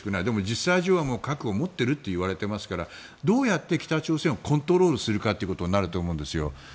でも実際上は核を持っていると言われていますからどうやって北朝鮮をコントロールするかということになると思うんです。